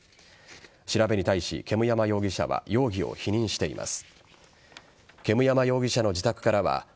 調べに対し、煙山容疑者は容疑を否認しています。